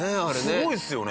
すごいですよね。